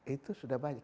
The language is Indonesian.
itu sudah banyak